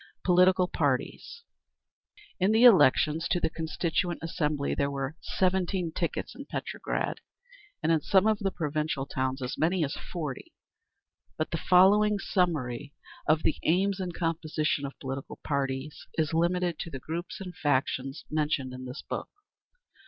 Political Parties In the elections to the Constituent Assembly, there were seventeen tickets in Petrograd, and in some of the provincial towns as many as forty; but the following summary of the aims and composition of political parties is limited to the groups and factions mentioned in this book.